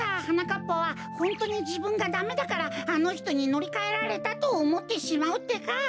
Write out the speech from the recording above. かっぱはホントにじぶんがダメだからあのひとにのりかえられたとおもってしまうってか。